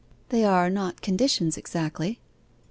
'They are not conditions exactly.